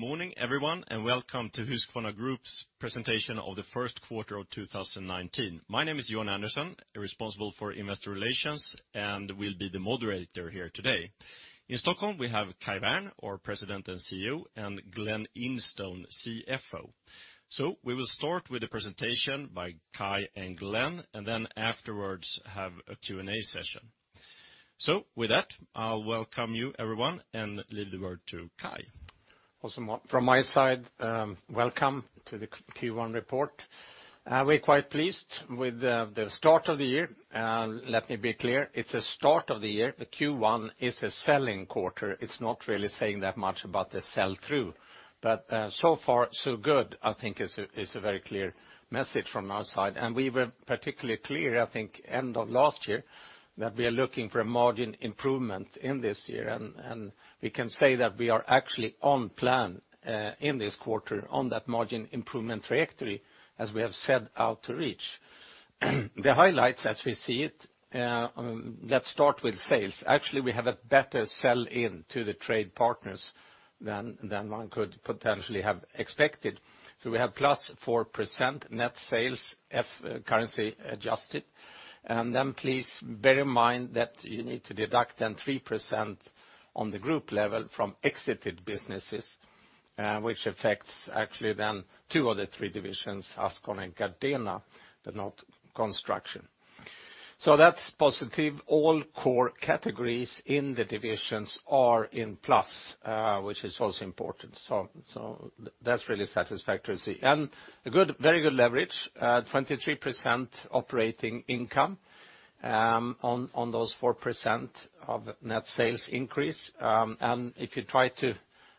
Good morning, everyone, and welcome to Husqvarna Group's presentation of the first quarter of 2019. My name is Johan Andersson, responsible for investor relations, and will be the moderator here today. In Stockholm, we have Kai Wärn, our president and CEO, and Glen Instone, CFO. We will start with the presentation by Kai and Glen, and then afterwards have a Q&A session. With that, I'll welcome you, everyone, and leave the word to Kai. Also, from my side, welcome to the Q1 report. We're quite pleased with the start of the year. Let me be clear, it's a start of the year. The Q1 is a selling quarter. It's not really saying that much about the sell-through. So far so good, I think is a very clear message from our side. We were particularly clear, I think, end of last year, that we are looking for a margin improvement in this year, and we can say that we are actually on plan in this quarter on that margin improvement trajectory as we have set out to reach. The highlights as we see it, let's start with sales. Actually, we have a better sell in to the trade partners than one could potentially have expected. We have plus 4% net sales currency adjusted. Please bear in mind that you need to deduct then 3% on the group level from exited businesses, which affects actually then two of the three divisions, Husqvarna and Gardena, but not Construction. That's positive. All core categories in the divisions are in plus, which is also important. That's really satisfactory to see. A very good leverage, 23% operating income on those 4% of net sales increase. If you try to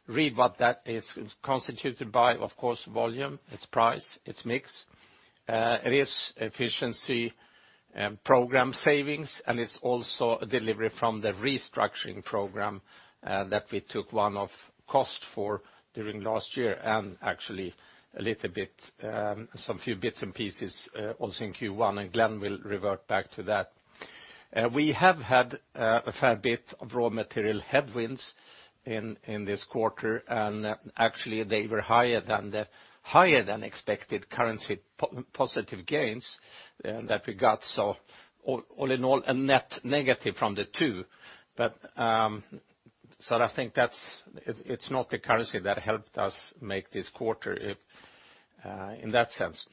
read what that is constituted by, of course, volume, it's price, it's mix. It is efficiency program savings, and it's also a delivery from the restructuring program that we took one-off cost for during last year, and actually some few bits and pieces also in Q1, and Glen will revert back to that. We have had a fair bit of raw material headwinds in this quarter, and actually they were higher than expected currency positive gains that we got. All in all, a net negative from the two. I think it's not the currency that helped us make this quarter in that sense,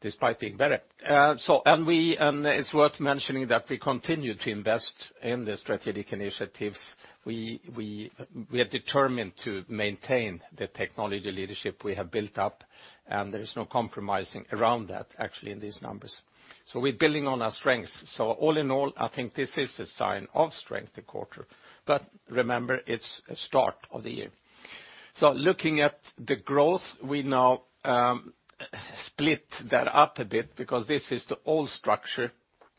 despite being better. It's worth mentioning that we continue to invest in the strategic initiatives. We are determined to maintain the technology leadership we have built up, and there is no compromising around that, actually, in these numbers. We're building on our strengths. All in all, I think this is a sign of strength the quarter. Remember, it's a start of the year. Looking at the growth, we now split that up a bit because this is the old structure,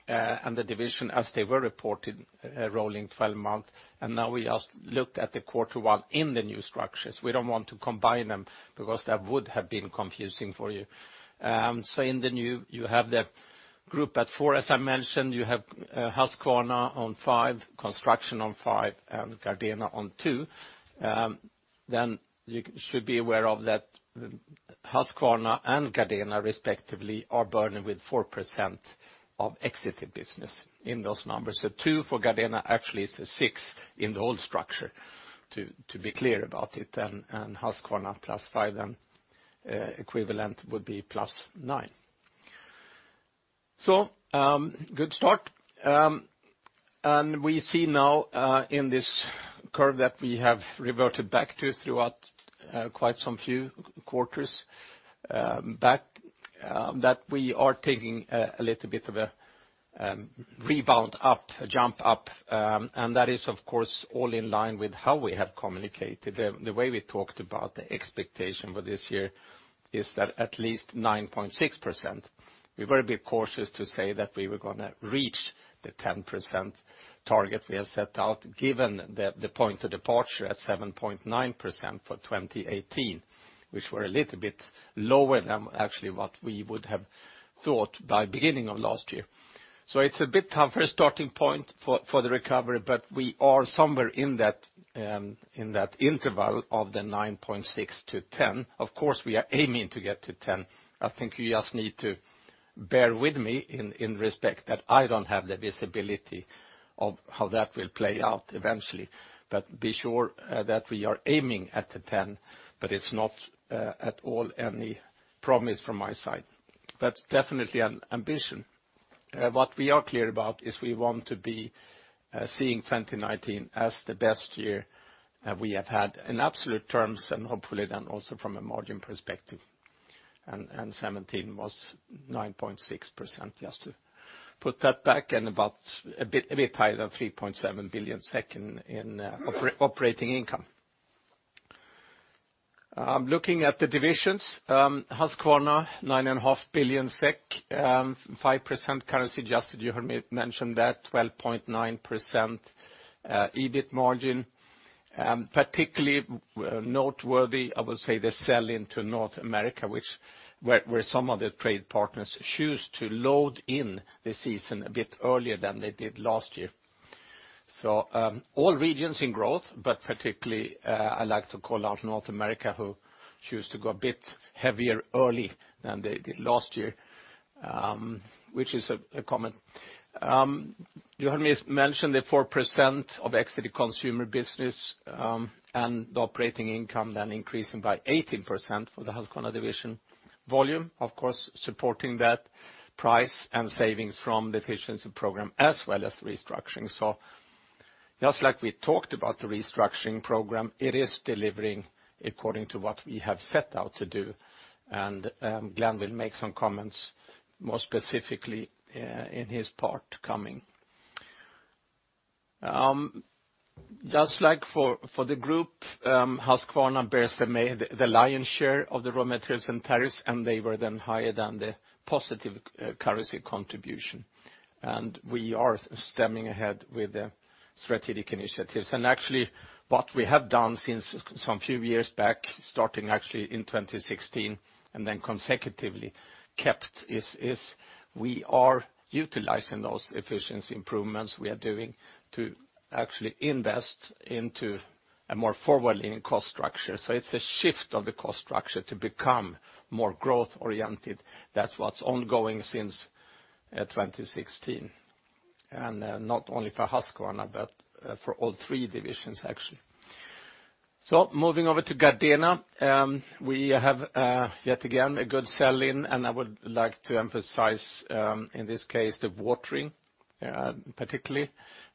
and the division as they were reported rolling 12 months, and now we just looked at the Q1 in the new structures. We don't want to combine them because that would have been confusing for you. In the new, you have the Group at 4, as I mentioned, you have Husqvarna on 5, Construction on 5, and Gardena on 2. Then you should be aware of that Husqvarna and Gardena respectively are burdened with 4% of exited business in those numbers. 2 for Gardena actually is a 6 in the old structure, to be clear about it, and Husqvarna plus 5 then equivalent would be plus 9. Good start. We see now in this curve that we have reverted back to throughout quite some few quarters back that we are taking a little bit of a rebound up, a jump up, and that is, of course, all in line with how we have communicated. The way we talked about the expectation for this year is that at least 9.6%. We were a bit cautious to say that we were going to reach the 10% target we have set out given the point of departure at 7.9% for 2018, which were a little bit lower than actually what we would have thought by beginning of last year. It's a bit tough for a starting point for the recovery, but we are somewhere in that interval of the 9.6%-10%. Of course, we are aiming to get to 10%. I think you just need to bear with me in respect that I don't have the visibility of how that will play out eventually. Be sure that we are aiming at the 10, but it's not at all any promise from my side. Definitely an ambition. What we are clear about is we want to be seeing 2019 as the best year that we have had in absolute terms and hopefully then also from a margin perspective, and 2017 was 9.6%, just to put that back in about a bit higher than 3.7 billion in operating income. Looking at the divisions, Husqvarna, 9.5 billion SEK, 5% currency adjusted. You heard me mention that, 12.9% EBIT margin. Particularly noteworthy, I would say the sell-in to North America, where some of the trade partners chose to load in the season a bit earlier than they did last year. All regions in growth, but particularly I like to call out North America, who chose to go a bit heavier early than they did last year, which is a common. You heard me mention the 4% of exited consumer business, and the operating income then increasing by 18% for the Husqvarna division volume. Of course, supporting that price and savings from the efficiency program as well as restructuring. Just like we talked about the restructuring program, it is delivering according to what we have set out to do, and Glen will make some comments more specifically in his part coming. Just like for the group, Husqvarna bears the lion's share of the raw materials and tariffs, they were then higher than the positive currency contribution. We are stemming ahead with the strategic initiatives. Actually, what we have done since some few years back, starting actually in 2016, and then consecutively kept, is we are utilizing those efficiency improvements we are doing to actually invest into a more forward-leaning cost structure. It's a shift of the cost structure to become more growth-oriented. That's what's ongoing since 2016. Not only for Husqvarna, but for all three divisions, actually. Moving over to Gardena, we have yet again a good sell-in, and I would like to emphasize, in this case, the watering particularly,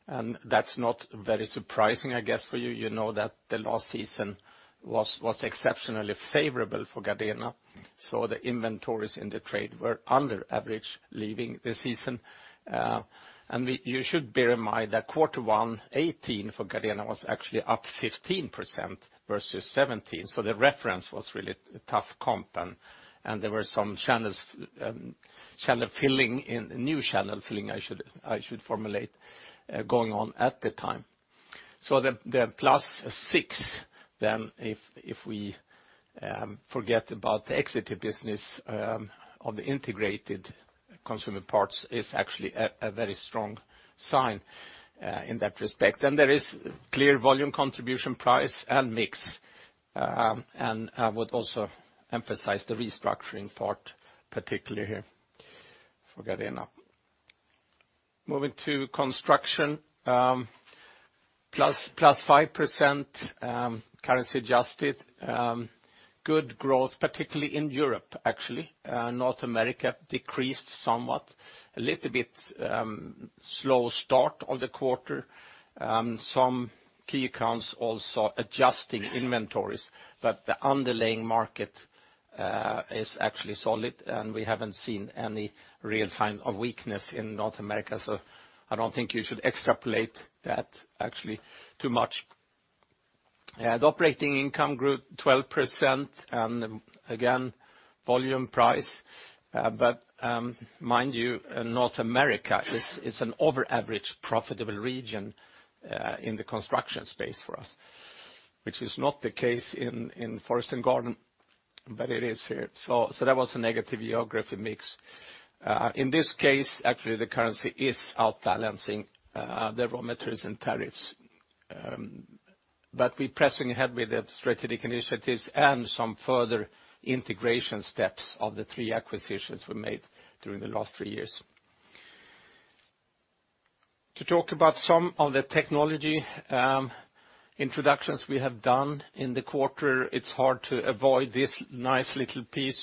and that's not very surprising, I guess, for you. You know that the last season was exceptionally favorable for Gardena, the inventories in the trade were under average, leaving the season. You should bear in mind that Q1 2018 for Gardena was actually up 15% versus 2017, the reference was really a tough comp, and there were some new channel filling, I should formulate, going on at the time. The plus 6 then, if we forget about the exit business of the integrated consumer parts, is actually a very strong sign in that respect. There is clear volume contribution price and mix. I would also emphasize the restructuring part, particularly here for Gardena. Moving to construction. Plus 5% currency adjusted. Good growth, particularly in Europe, actually. North America decreased somewhat. A little bit slow start on the quarter. Some key accounts also adjusting inventories, the underlying market is actually solid, we haven't seen any real sign of weakness in North America, I don't think you should extrapolate that actually too much. The operating income grew 12%, again, volume price. Mind you, North America is an over average profitable region in the construction space for us, which is not the case in forest and garden, but it is here. That was a negative geography mix. In this case, actually, the currency is outbalancing the raw materials and tariffs. We're pressing ahead with the strategic initiatives and some further integration steps of the three acquisitions we made during the last three years. To talk about some of the technology introductions we have done in the quarter, it's hard to avoid this nice little piece,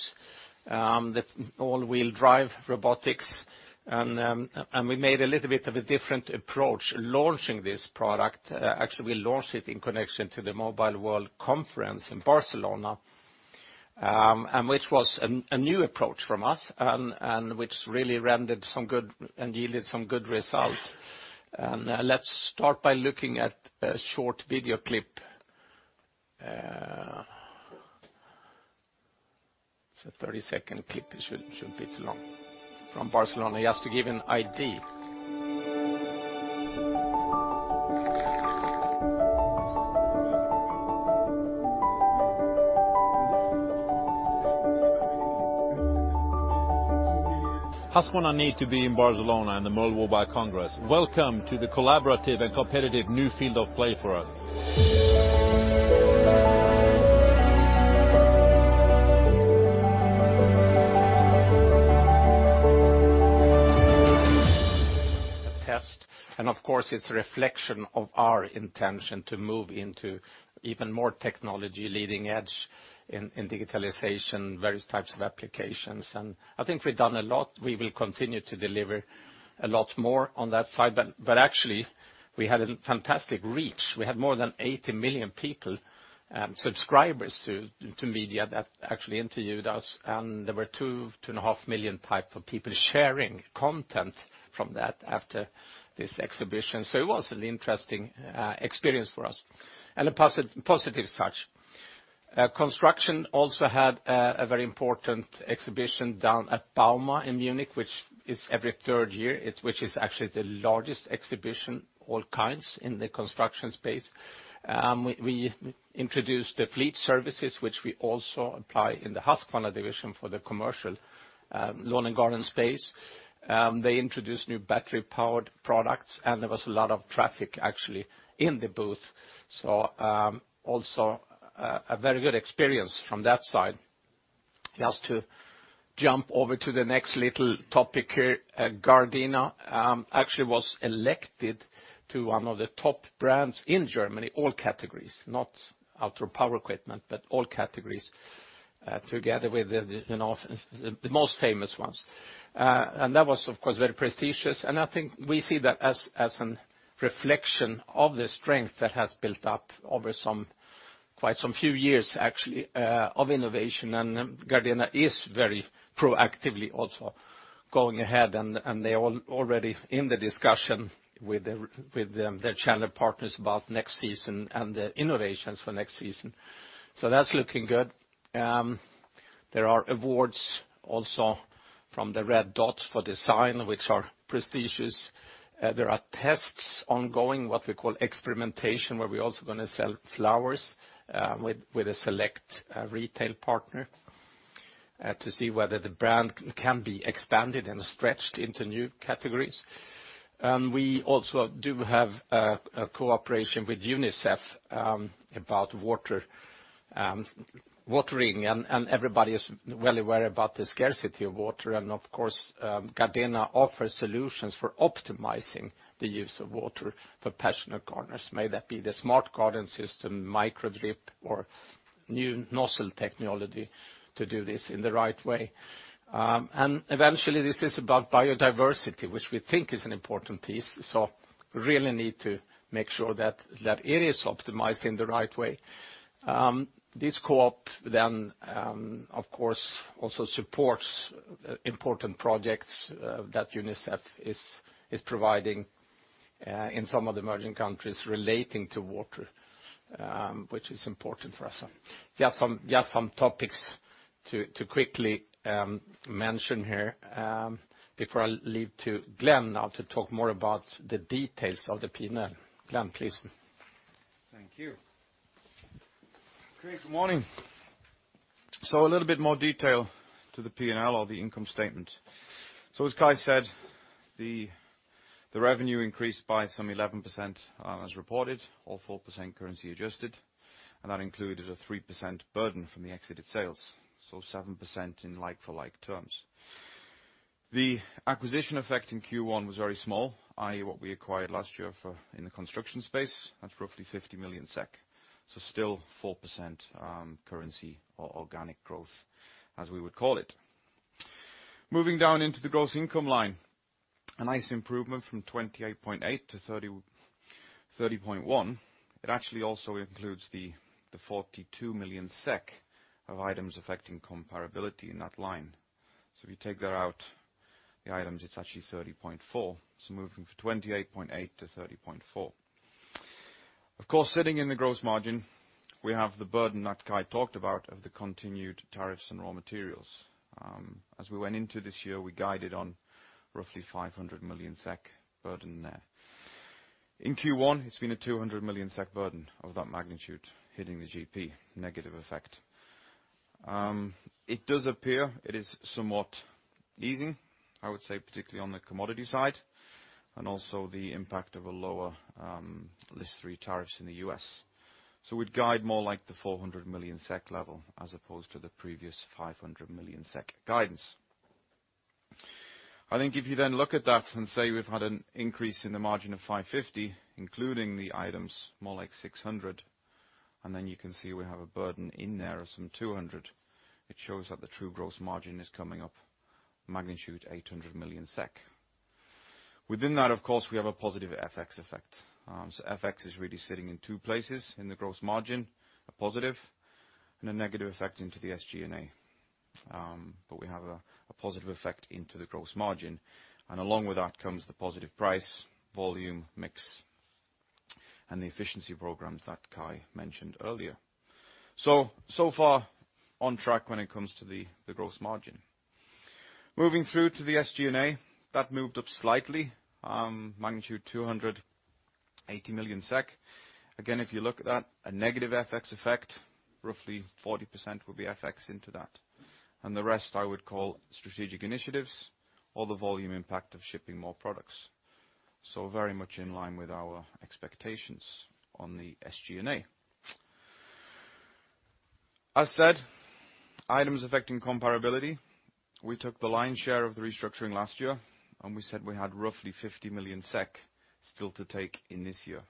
the all-wheel drive robotics. We made a little bit of a different approach launching this product. Actually, we launched it in connection to the Mobile World Conference in Barcelona, which was a new approach from us, which really rendered some good and yielded some good results. Let's start by looking at a short video clip. It's a 30-second clip, it shouldn't be too long. From Barcelona. Just to give you an idea. Husqvarna need to be in Barcelona in the Mobile World Congress. Welcome to the collaborative and competitive new field of play for us. A test, of course, it's a reflection of our intention to move into even more technology leading edge in digitalization, various types of applications. I think we've done a lot. We will continue to deliver a lot more on that side. Actually, we had a fantastic reach. We had more than 80 million people, subscribers to media that actually interviewed us, and there were 2.5 million type of people sharing content from that after this exhibition. It was an interesting experience for us, and a positive such. Construction also had a very important exhibition down at bauma in Munich, which is every third year, which is actually the largest exhibition, all kinds, in the construction space. We introduced the fleet services, which we also apply in the Husqvarna division for the commercial lawn and garden space. They introduced new battery-powered products, and there was a lot of traffic actually in the booth. Also a very good experience from that side. Just to jump over to the next little topic here, Gardena actually was elected to one of the top brands in Germany, all categories. Not outdoor power equipment, but all categories together with the most famous ones. That was, of course, very prestigious, and I think we see that as a reflection of the strength that has built up over quite some few years, actually, of innovation. Gardena is very proactively also going ahead, and they are already in the discussion with their channel partners about next season and the innovations for next season. That's looking good. There are awards also from the Red Dot for design, which are prestigious. There are tests ongoing, what we call experimentation, where we're also going to sell flowers with a select retail partner to see whether the brand can be expanded and stretched into new categories. We also do have a cooperation with UNICEF about watering, and everybody is well aware about the scarcity of water. Of course, Gardena offers solutions for optimizing the use of water for passionate gardeners, may that be the Gardena smart system, Micro-Drip-System, or new nozzle technology to do this in the right way. Eventually, this is about biodiversity, which we think is an important piece, so really need to make sure that that area is optimized in the right way. This co-op then, of course, also supports important projects that UNICEF is providing in some of the emerging countries relating to water, which is important for us. Just some topics to quickly mention here before I leave to Glen now to talk more about the details of the P&L. Glen, please. Thank you. Okay. Good morning. A little bit more detail to the P&L or the income statement. As Kai said, the revenue increased by some 11% as reported, or 4% currency adjusted, and that included a 3% burden from the exited sales. 7% in like for like terms. The acquisition effect in Q1 was very small, i.e., what we acquired last year in the construction space. That's roughly 50 million SEK. Still 4% currency or organic growth, as we would call it. Moving down into the gross income line, a nice improvement from 28.8 to 30.1. It actually also includes the 42 million SEK of items affecting comparability in that line. If you take that out, the items, it's actually 30.4. Moving from 28.8 to 30.4. Of course, sitting in the gross margin, we have the burden that Kai talked about of the continued tariffs and raw materials. As we went into this year, we guided on roughly 500 million SEK burden there. In Q1, it's been a 200 million SEK burden of that magnitude hitting the GP, negative effect. It does appear it is somewhat easing, I would say particularly on the commodity side, and also the impact of a lower List 3 tariffs in the U.S. We'd guide more like the 400 million SEK level as opposed to the previous 500 million SEK guidance. I think if you then look at that and say we've had an increase in the margin of 550, including the items, more like 600, and then you can see we have a burden in there of some 200, it shows that the true gross margin is coming up magnitude 800 million SEK. Within that, of course, we have a positive FX effect. FX is really sitting in two places in the gross margin, a positive and a negative effect into the SG&A. We have a positive effect into the gross margin, and along with that comes the positive price, volume, mix, and the efficiency programs that Kai mentioned earlier. So far on track when it comes to the gross margin. Moving through to the SG&A, that moved up slightly, magnitude 280 million SEK. Again, if you look at that, a negative FX effect, roughly 40% would be FX into that. The rest I would call strategic initiatives or the volume impact of shipping more products. Very much in line with our expectations on the SG&A. As said, items affecting comparability. We took the lion share of the restructuring last year, and we said we had roughly 50 million SEK still to take in this year.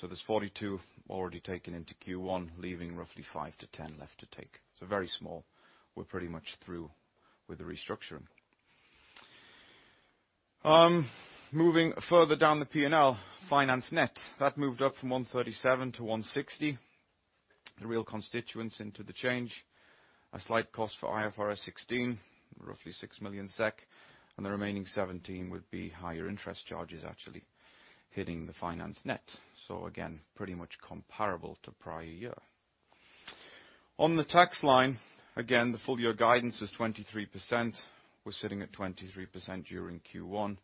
There's 42 million already taken into Q1, leaving roughly 5 million-10 million left to take. Very small. We're pretty much through with the restructuring. Moving further down the P&L, finance net. That moved up from 137 million to 160 million. The real constituents into the change, a slight cost for IFRS 16, roughly 6 million SEK, and the remaining 17 million would be higher interest charges actually hitting the finance net. Again, pretty much comparable to prior year. On the tax line, again, the full year guidance is 23%. We're sitting at 23% during Q1,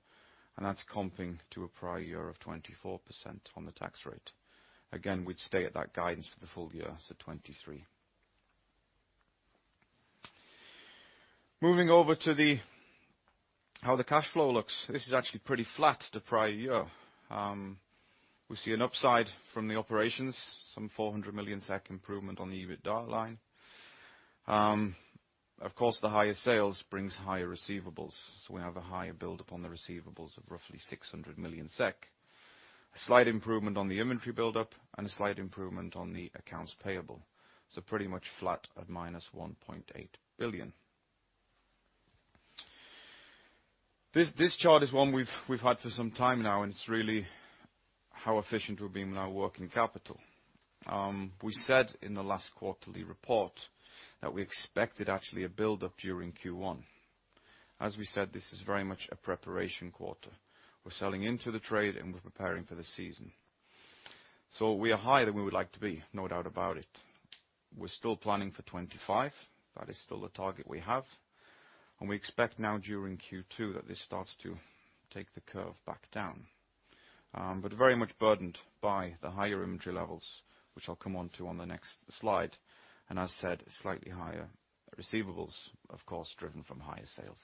and that's comping to a prior year of 24% on the tax rate. Again, we'd stay at that guidance for the full year, 23%. Moving over to how the cash flow looks. This is actually pretty flat to prior year. We see an upside from the operations, some 400 million SEK improvement on the EBITDA line. Of course, the higher sales brings higher receivables, so we have a higher build upon the receivables of roughly 600 million SEK. A slight improvement on the inventory buildup and a slight improvement on the accounts payable. Pretty much flat at minus 1.8 billion. This chart is one we've had for some time now, and it's really how efficient we've been with our working capital. We said in the last quarterly report that we expected actually a buildup during Q1. As we said, this is very much a preparation quarter. We are selling into the trade, and we are preparing for the season. We are higher than we would like to be, no doubt about it. We are still planning for 25. That is still the target we have. And we expect now during Q2 that this starts to take the curve back down. But very much burdened by the higher inventory levels, which I will come onto on the next slide, and as I said, slightly higher receivables, of course, driven from higher sales.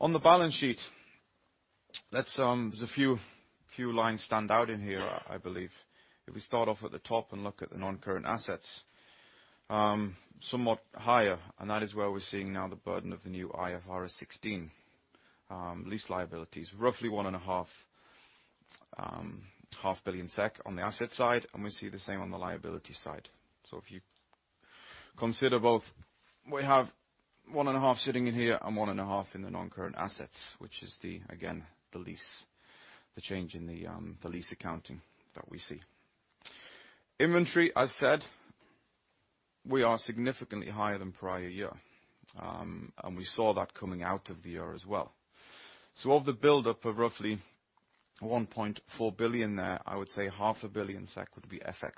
On the balance sheet, there is a few lines stand out in here, I believe. If we start off at the top and look at the non-current assets. Somewhat higher, and that is where we are seeing now the burden of the new IFRS 16 lease liabilities. Roughly 1.5 billion SEK on the asset side, and we see the same on the liability side. If you consider both, we have 1.5 sitting in here and 1.5 in the non-current assets, which is, again, the change in the lease accounting that we see. Inventory, as I said, we are significantly higher than prior year. We saw that coming out of the year as well. Of the buildup of roughly 1.4 billion there, I would say half a billion SEK would be FX.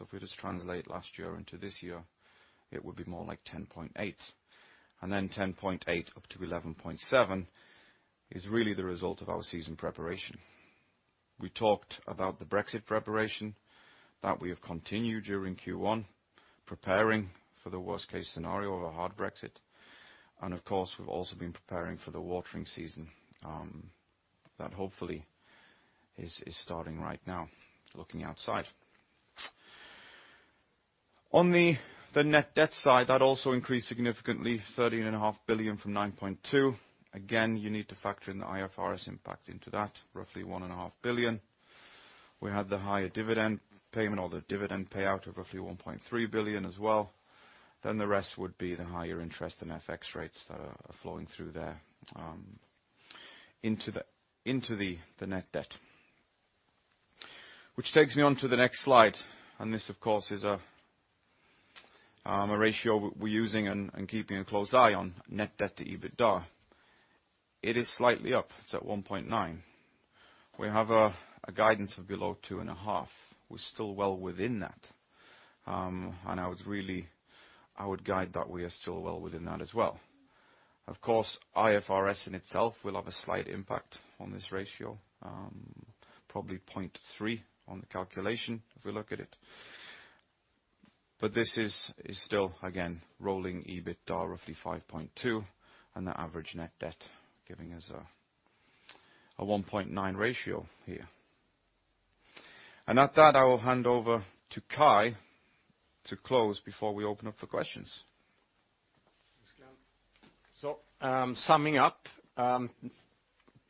If we just translate last year into this year, it would be more like 10.8. Then 10.8 up to 11.7 is really the result of our season preparation. We talked about the Brexit preparation that we have continued during Q1, preparing for the worst case scenario of a hard Brexit. Of course, we have also been preparing for the watering season, that hopefully is starting right now, looking outside. On the net debt side, that also increased significantly, 13.5 billion from 9.2 billion. You need to factor in the IFRS 16 impact into that, roughly 1.5 billion. We had the higher dividend payment or the dividend payout of roughly 1.3 billion as well. The rest would be the higher interest and FX rates that are flowing through there into the net debt. Which takes me onto the next slide, and this, of course, is a ratio we are using and keeping a close eye on, net debt to EBITDA. It is slightly up, it is at 1.9. We have a guidance of below 2.5. We are still well within that. I would guide that we are still well within that as well. Of course, IFRS 16 in itself will have a slight impact on this ratio, probably 0.3 on the calculation if we look at it. This is still, again, rolling EBITDA roughly 5.2, and the average net debt giving us a 1.9 ratio here. At that, I will hand over to Kai to close before we open up for questions. Thanks, Glen. Summing up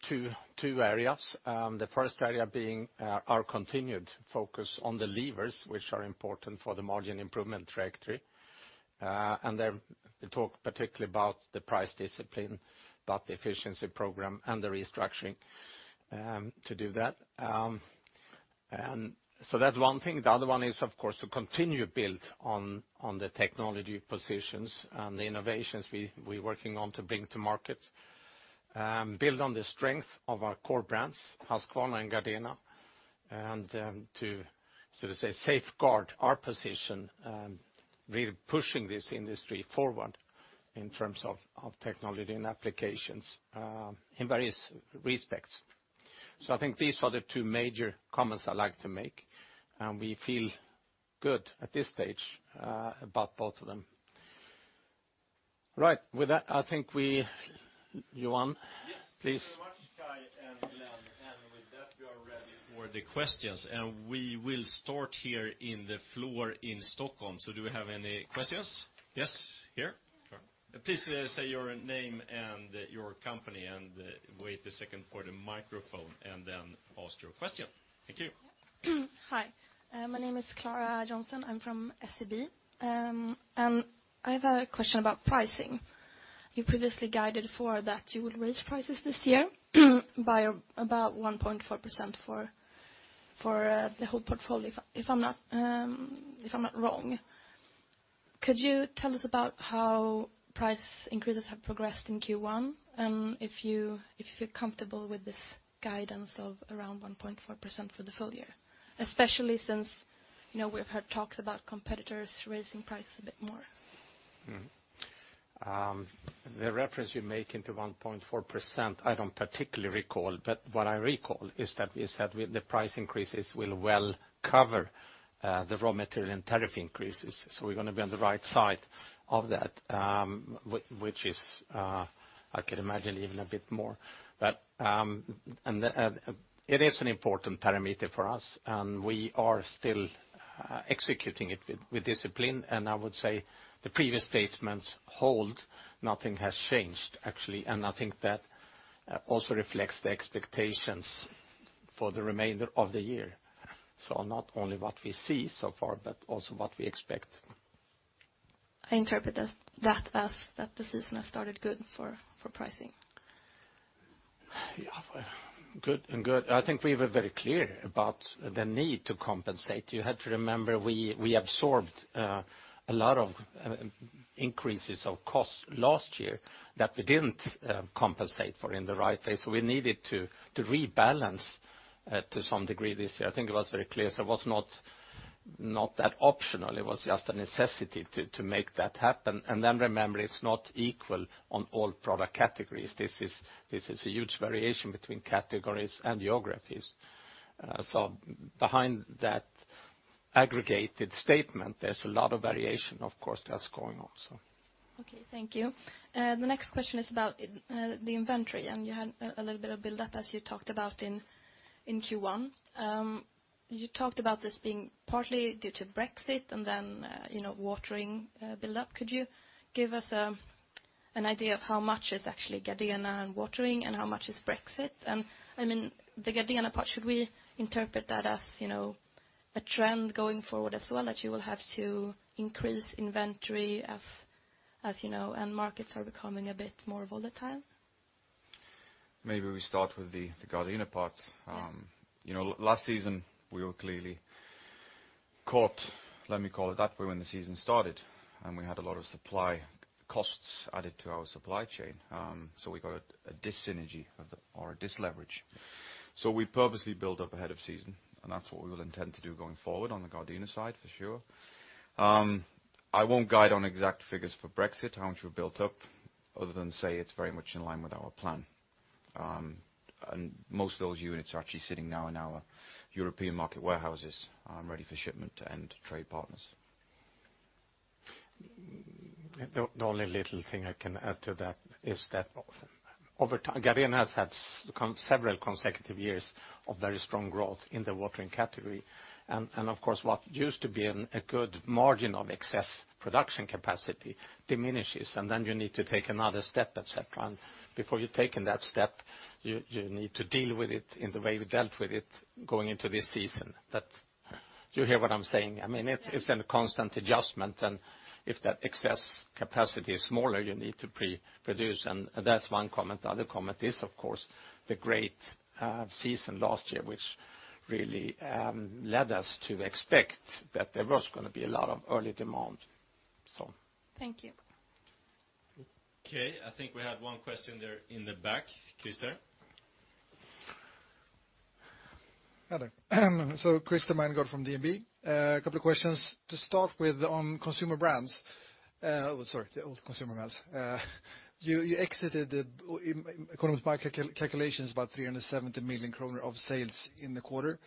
two areas. The first area being our continued focus on the levers, which are important for the margin improvement trajectory. We talk particularly about the price discipline, about the efficiency program and the restructuring to do that. That's one thing. The other one is, of course, to continue build on the technology positions and the innovations we're working on to bring to market. Build on the strength of our core brands, Husqvarna and Gardena, and to, so to say, safeguard our position, really pushing this industry forward in terms of technology and applications in various respects. I think these are the two major comments I'd like to make, and we feel good at this stage about both of them. Right. With that, I think we Johan? Yes. Please. Thank you very much, Kai and Glen. With that, we are ready for the questions. We will start here in the floor in Stockholm. Do we have any questions? Yes, here. Please say your name and your company and wait a second for the microphone and then ask your question. Thank you. Hi. My name is Clara Johnson. I'm from SEB. I have a question about pricing. You previously guided for that you would raise prices this year by about 1.4% for the whole portfolio, if I'm not wrong. Could you tell us about how price increases have progressed in Q1, and if you feel comfortable with this guidance of around 1.4% for the full year? Especially since we've heard talks about competitors raising prices a bit more. The reference you make to 1.4%, I don't particularly recall. What I recall is that we said the price increases will well cover the raw material and tariff increases. We're going to be on the right side of that, which is, I can imagine, even a bit more. It is an important parameter for us, and we are still executing it with discipline, and I would say the previous statements hold. Nothing has changed, actually, and I think that also reflects the expectations for the remainder of the year. Not only what we see so far, but also what we expect. I interpret that as that the season has started good for pricing. Good. I think we were very clear about the need to compensate. You have to remember, we absorbed a lot of increases of cost last year that we didn't compensate for in the right way. We needed to rebalance to some degree this year. I think it was very clear. It was not that optional. It was just a necessity to make that happen. Remember, it's not equal on all product categories. This is a huge variation between categories and geographies. Behind that aggregated statement, there's a lot of variation, of course, that's going on also. Okay, thank you. The next question is about the inventory. You had a little bit of build-up as you talked about in Q1. You talked about this being partly due to Brexit and then watering build-up. Could you give us an idea of how much is actually Gardena and watering and how much is Brexit? The Gardena part, should we interpret that as a trend going forward as well, that you will have to increase inventory as end markets are becoming a bit more volatile? Maybe we start with the Gardena part. Yeah. Last season, we were clearly caught, let me call it that way, when the season started. We had a lot of supply costs added to our supply chain. We got a dis-synergy or a dis-leverage. We purposely built up ahead of season, and that's what we will intend to do going forward on the Gardena side for sure. I won't guide on exact figures for Brexit, how much we built up, other than say it's very much in line with our plan. Most of those units are actually sitting now in our European market warehouses ready for shipment to end trade partners. The only little thing I can add to that is that over time, Gardena has had several consecutive years of very strong growth in the watering category. Of course, what used to be a good margin of excess production capacity diminishes, and then you need to take another step, et cetera. Before you've taken that step, you need to deal with it in the way we dealt with it going into this season. Do you hear what I'm saying? Yes. It's a constant adjustment, and if that excess capacity is smaller, you need to pre-produce, and that's one comment. The other comment is, of course, the great season last year, which really led us to expect that there was going to be a lot of early demand. Thank you. Okay, I think we had one question there in the back. Christer? Hi there. Christer Mangård from DNB. A couple of questions to start with on Consumer Brands. Sorry, Consumer Brands. You exited according to my calculations, about 370 million kronor of sales in the quarter.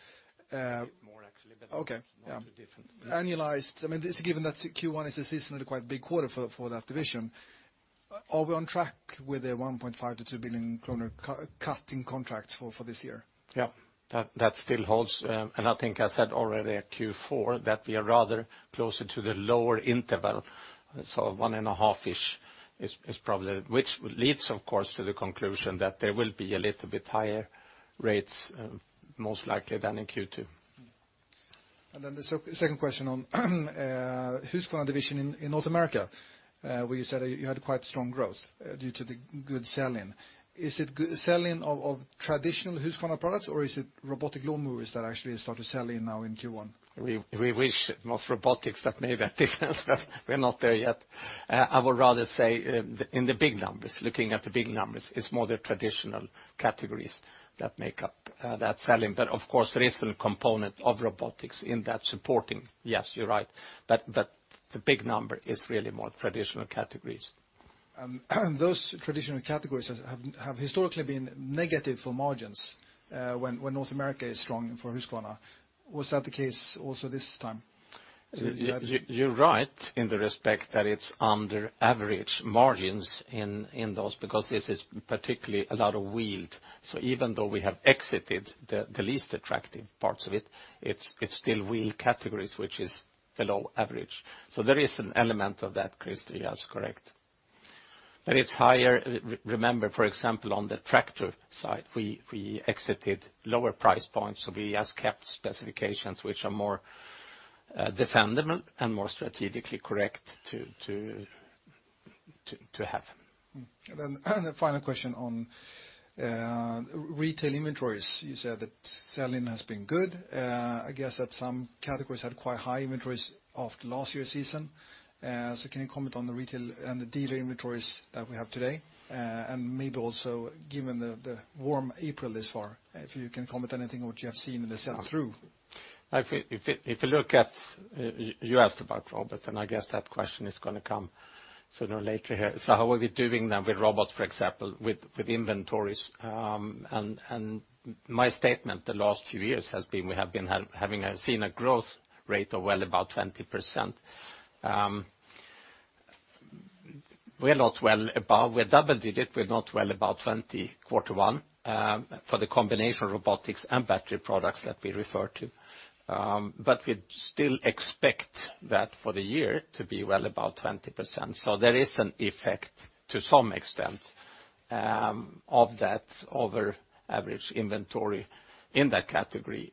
More, actually. Okay. Yeah. Not too different. Annualized, given that Q1 is a seasonally quite big quarter for that division, are we on track with the 1.5 billion-2 billion kronor cut in contracts for this year? Yeah. That still holds, and I think I said already at Q4 that we are rather closer to the lower interval. One and a half-ish. Which leads, of course, to the conclusion that there will be a little bit higher rates most likely than in Q2. The second question on Husqvarna division in North America, where you said you had quite strong growth due to the good sell-in. Is it sell-in of traditional Husqvarna products, or is it robotic lawn mowers that actually start to sell in now in Q1? We wish. It was robotics that made that difference, but we're not there yet. I would rather say in the big numbers, looking at the big numbers, it's more the traditional categories that make up that sell-in. Of course, there is a component of robotics in that supporting. Yes, you're right. The big number is really more traditional categories. Those traditional categories have historically been negative for margins when North America is strong for Husqvarna. Was that the case also this time? You're right in the respect that it's under average margins in those because this is particularly a lot of wheeled. Even though we have exited the least attractive parts of it's still wheeled categories, which is below average. There is an element of that, Christer. Yes, correct. It's higher. Remember, for example, on the tractor side, we exited lower price points. We just kept specifications which are more defendable and more strategically correct to have. The final question on retail inventories. You said that sell-in has been good. I guess that some categories had quite high inventories after last year's season. Can you comment on the retail and the dealer inventories that we have today? Maybe also given the warm April this far, if you can comment anything on what you have seen in the sell-through? You asked about robots. I guess that question is going to come sooner or later here. How are we doing now with robots, for example, with inventories? My statement the last few years has been, we have seen a growth rate of well above 20%. We are not well above. We are double digit. We are not well above 20% Q1 for the combination of robotic mowers and battery-powered products that we refer to. We still expect that for the year to be well above 20%. There is an effect to some extent, of that over average inventory in that category.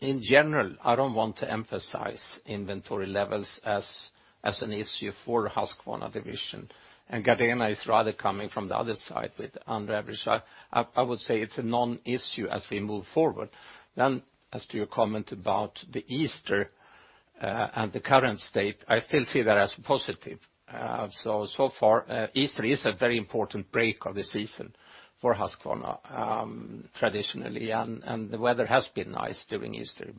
In general, I don't want to emphasize inventory levels as an issue for the Husqvarna division. Gardena is rather coming from the other side with under average. I would say it's a non-issue as we move forward. As to your comment about the Easter and the current state, I still see that as positive. So far, Easter is a very important break of the season for Husqvarna, traditionally. The weather has been nice during Easter.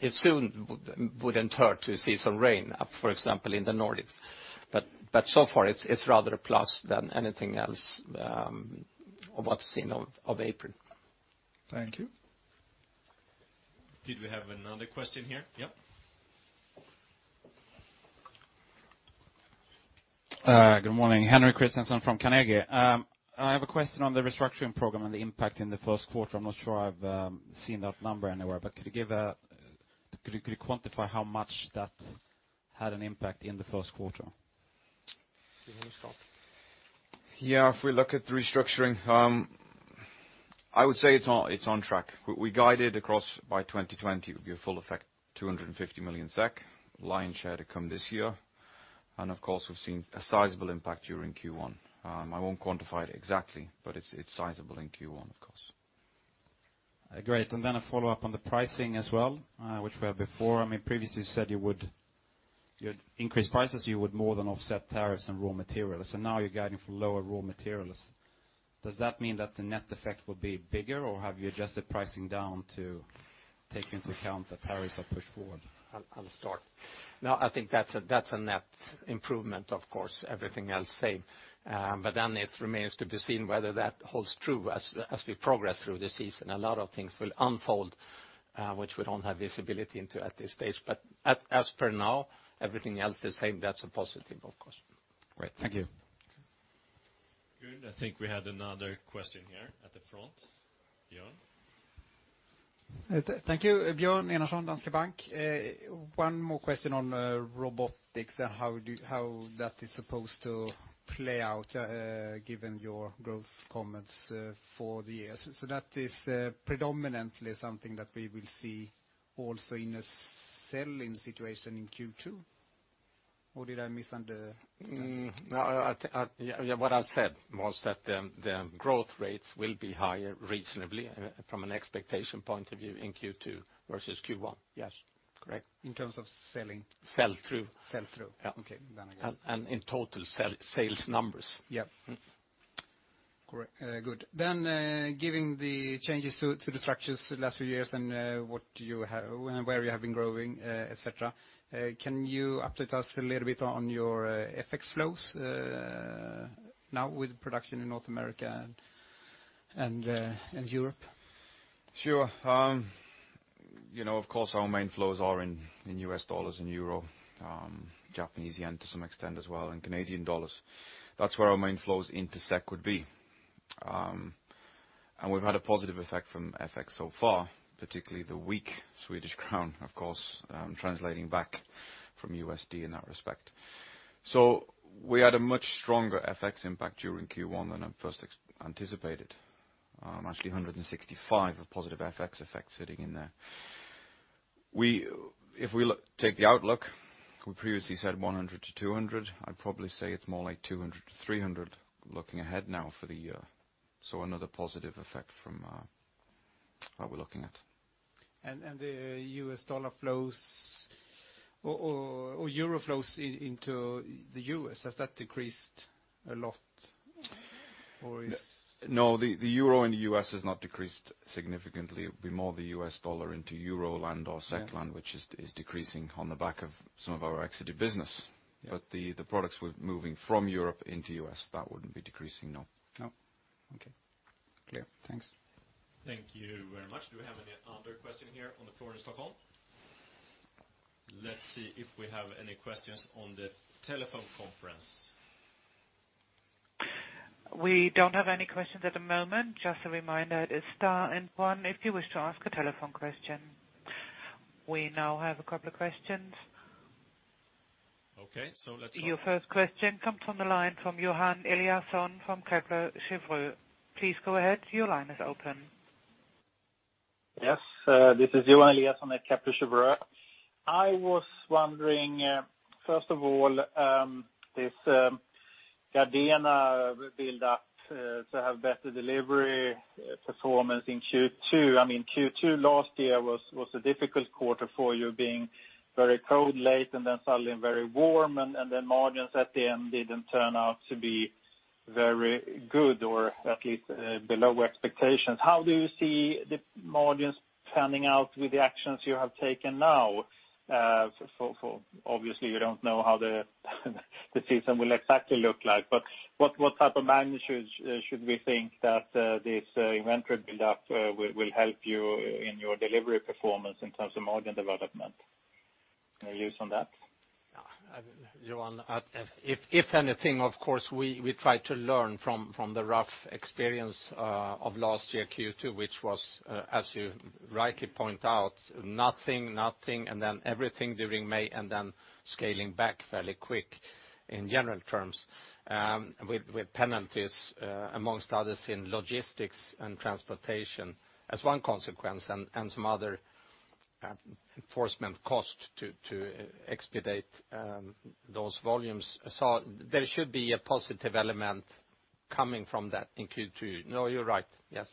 It soon wouldn't hurt to see some rain, for example, in the Nordics. So far, it's rather a plus than anything else, what's seen of April. Thank you. Did we have another question here? Yep. Good morning, Henrik Christiansson from Carnegie. I have a question on the restructuring program and the impact in the first quarter. I'm not sure I've seen that number anywhere, but could you quantify how much that had an impact in the first quarter? Do you want to start? Yeah. If we look at the restructuring, I would say it's on track. We guided across by 2020, it would be a full effect, 250 million SEK lion share to come this year. Of course, we've seen a sizable impact during Q1. I won't quantify it exactly, but it's sizable in Q1 of course. Great. Then a follow-up on the pricing as well, which we had before. Previously you said you would increase prices, you would more than offset tariffs and raw materials. Now you're guiding for lower raw materials. Does that mean that the net effect will be bigger, or have you adjusted pricing down to take into account the tariffs are pushed forward? I think that's a net improvement, of course, everything else same. It remains to be seen whether that holds true as we progress through the season. A lot of things will unfold, which we don't have visibility into at this stage. As per now, everything else is same. That's a positive, of course. Great. Thank you. Good. I think we had another question here at the front. Björn? Thank you, Björn Enarson, Danske Bank. One more question on robotics and how that is supposed to play out, given your growth comments for the years. That is predominantly something that we will see also in a selling situation in Q2, or did I misunderstand? No, what I said was that the growth rates will be higher reasonably from an expectation point of view in Q2 versus Q1. Yes, correct. In terms of selling? Sell-through. Sell-through. Yeah. Okay. I got it. In total sales numbers. Yep. Correct. Good. Given the changes to the structures the last few years and where you have been growing, et cetera, can you update us a little bit on your FX flows now with production in North America and Europe? Sure. Of course, our main flows are in USD and EUR, JPY to some extent as well, and CAD. That's where our main flows into SEK would be. We've had a positive effect from FX so far, particularly the weak Swedish krona, of course, translating back from USD in that respect. We had a much stronger FX impact during Q1 than I first anticipated. Actually, 165 million of positive FX effects sitting in there. If we take the outlook, we previously said 100 million-200 million. I'd probably say it's more like 200 million-300 million looking ahead now for the year. Another positive effect from what we're looking at. The USD flows or EUR flows into the U.S., has that decreased a lot? No, the EUR and the U.S. has not decreased significantly. It'd be more the USD into EUR land or SEK land, which is decreasing on the back of some of our exited business. The products moving from Europe into U.S., that wouldn't be decreasing, no. No? Okay. Clear. Thanks. Thank you very much. Do we have any other question here on the floor in Stockholm? Let's see if we have any questions on the telephone conference. We don't have any questions at the moment. Just a reminder, it is star and one if you wish to ask a telephone question. We now have a couple of questions. Okay, let's go. Your first question comes from the line from Johan Eliason from Kepler Cheuvreux. Please go ahead. Your line is open. Yes. This is Johan Eliason at Kepler Cheuvreux. I was wondering, first of all, this Gardena buildup to have better delivery performance in Q2. Q2 last year was a difficult quarter for you being very cold late and then suddenly very warm, and then margins at the end didn't turn out to be very good, or at least below expectations. How do you see the margins panning out with the actions you have taken now? Obviously, you don't know how the season will exactly look like, but what type of magnitude should we think that this inventory buildup will help you in your delivery performance in terms of margin development? Any views on that? Johan, if anything, of course, we try to learn from the rough experience of last year, Q2, which was, as you rightly point out, nothing, and then everything during May, and then scaling back fairly quick in general terms, with penalties among others in logistics and transportation as one consequence, and some other enforcement cost to expedite those volumes. There should be a positive element coming from that in Q2. No, you're right. Yes.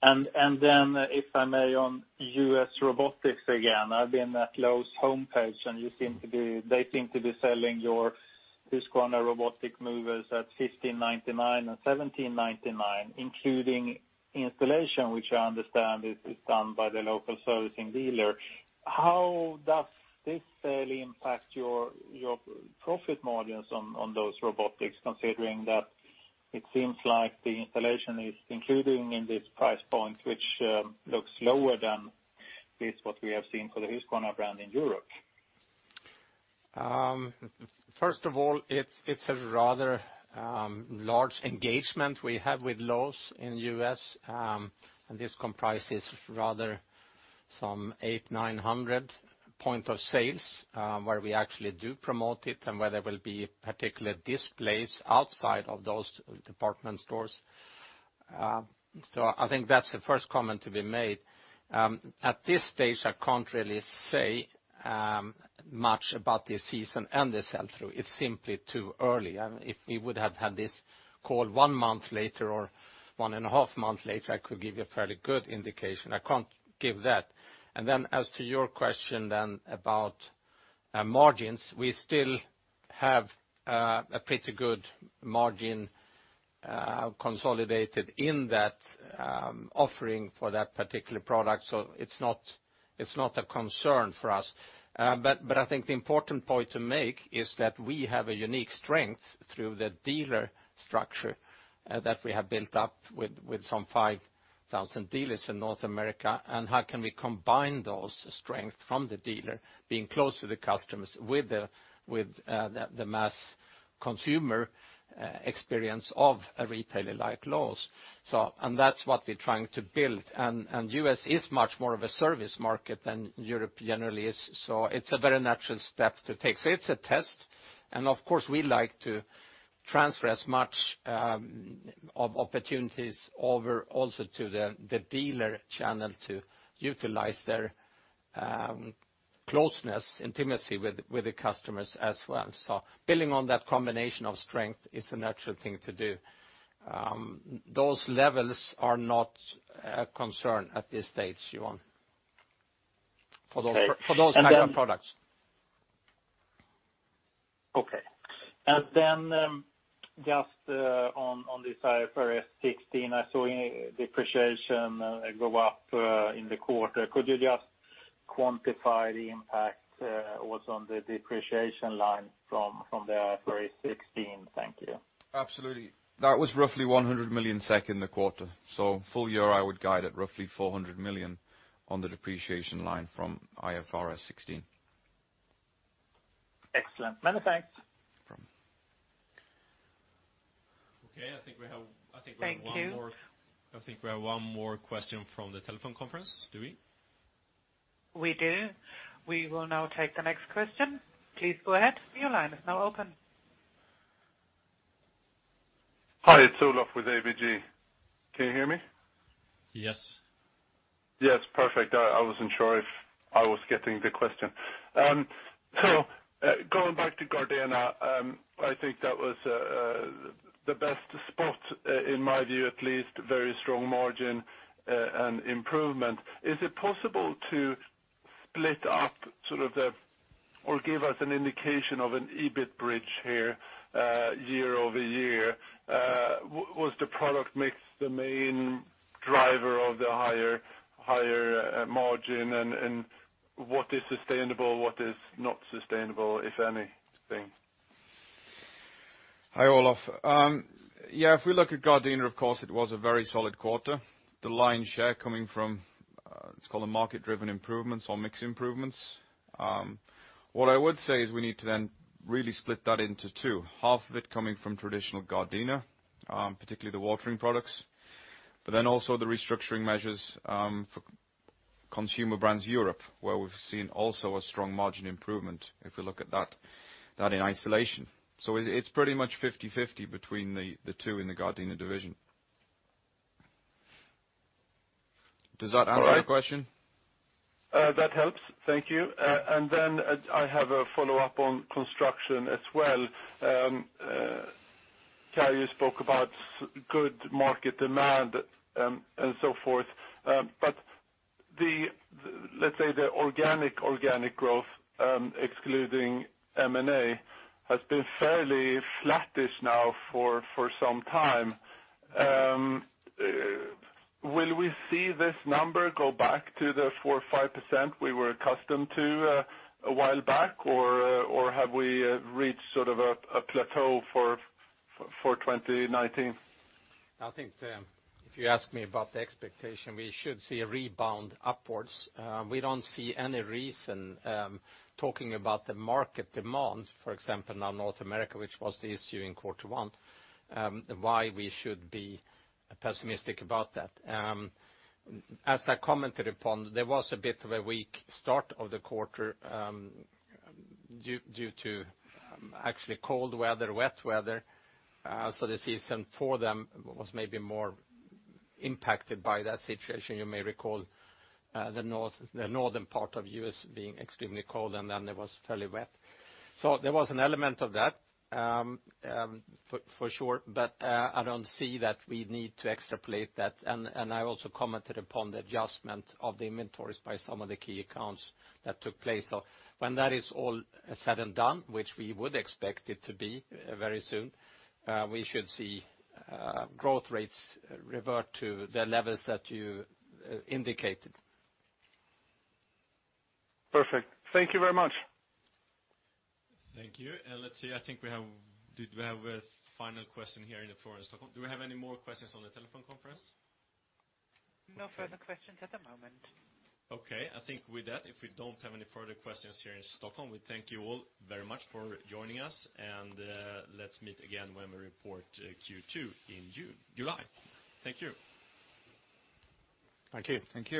If I may, on U.S. robotics again. I've been at Lowe's homepage, and they seem to be selling your Husqvarna robotic mowers at $1,599 and $1,799, including installation, which I understand is done by the local servicing dealer. How does this fairly impact your profit margins on those robotics, considering that it seems like the installation is included in this price point, which looks lower than with what we have seen for the Husqvarna brand in Europe? First of all, it's a rather large engagement we have with Lowe's in the U.S., and this comprises some 800, 900 point of sales, where we actually do promote it and where there will be particular displays outside of those department stores. I think that's the first comment to be made. At this stage, I can't really say much about the season and the sell-through. It's simply too early. If we would have had this call one month later or one and a half months later, I could give you a fairly good indication. I can't give that. As to your question then about margins, we still have a pretty good margin consolidated in that offering for that particular product, so it's not a concern for us. I think the important point to make is that we have a unique strength through the dealer structure that we have built up with some 5,000 dealers in North America, and how can we combine those strengths from the dealer being close to the customers with the mass consumer experience of a retailer like Lowe's. That's what we're trying to build, and the U.S. is much more of a service market than Europe generally is. It's a very natural step to take. It's a test, and of course, we like to transfer as much of opportunities over also to the dealer channel to utilize their closeness, intimacy with the customers as well. Building on that combination of strength is the natural thing to do. Those levels are not a concern at this stage, Johan. Okay. For those kinds of products. Okay. Then, just on the IFRS 16, I saw depreciation go up in the quarter. Could you just quantify the impact what's on the depreciation line from the IFRS 16? Thank you. Absolutely. That was roughly 100 million SEK in the quarter. Full year, I would guide at roughly 400 million on the depreciation line from IFRS 16. Excellent. Many thanks. No problem. Okay, I think we have. Thank you I think we have one more question from the telephone conference. Do we? We do. We will now take the next question. Please go ahead. Your line is now open. Hi, it's Olof with ABG. Can you hear me? Yes. Yes. Perfect. I wasn't sure if I was getting the question. Going back to Gardena, I think that was the best spot in my view, at least. Very strong margin and improvement. Is it possible to split up or give us an indication of an EBIT bridge here year-over-year? Was the product mix the main driver of the higher margin? What is sustainable, what is not sustainable, if anything? Hi, Olof. If we look at Gardena, of course, it was a very solid quarter. The lion share coming from, it's called the market-driven improvements or mix improvements. What I would say is we need to really split that into two. Half of it coming from traditional Gardena, particularly the watering products, but then also the restructuring measures for Consumer Brands Europe, where we've seen also a strong margin improvement if we look at that in isolation. It's pretty much 50/50 between the two in the Gardena division. Does that answer your question? That helps. Thank you. I have a follow-up on construction as well. Kai, you spoke about good market demand and so forth. Let's say the organic growth, excluding M&A, has been fairly flattish now for some time. Will we see this number go back to the 4% or 5% we were accustomed to a while back? Or have we reached a plateau for 2019? I think if you ask me about the expectation, we should see a rebound upwards. We don't see any reason, talking about the market demand, for example, now North America, which was the issue in quarter one, why we should be pessimistic about that. As I commented upon, there was a bit of a weak start of the quarter due to actually cold weather, wet weather. The season for them was maybe more impacted by that situation. You may recall the northern part of U.S. being extremely cold, and then it was fairly wet. There was an element of that for sure, but I don't see that we need to extrapolate that, and I also commented upon the adjustment of the inventories by some of the key accounts that took place. When that is all said and done, which we would expect it to be very soon, we should see growth rates revert to the levels that you indicated. Perfect. Thank you very much. Thank you. Let's see. I think we have a final question here in the floor in Stockholm. Do we have any more questions on the telephone conference? No further questions at the moment. Okay. I think with that, if we don't have any further questions here in Stockholm, we thank you all very much for joining us. Let's meet again when we report Q2 in July. Thank you. Thank you. Thank you.